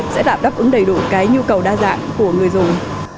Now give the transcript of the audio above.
sẽ đáp ứng đầy đủ cái nhu cầu đa dạng của người dùng